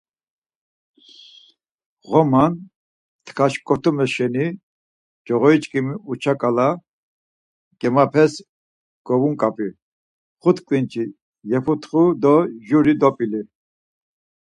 Ğoman mt̆k̆aşkotume şeni coğoriçkimi Uça k̆ala gemapes govunkapi, xut k̆vinçi yeputxu do juri dop̆ili.